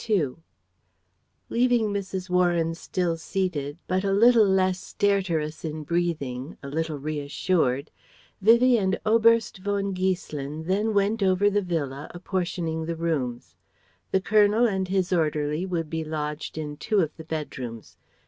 Gut!" Leaving Mrs. Warren still seated, but a little less stertorous in breathing, a little reassured, Vivie and Oberst von Giesselin then went over the Villa, apportioning the rooms. The Colonel and his orderly would be lodged in two of the bedrooms.